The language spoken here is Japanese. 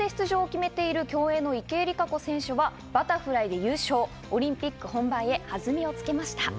すでにリレーで出場を決めている競泳の池江璃花子選手はバタフライで優勝、オリンピック本番へ弾みをつけました。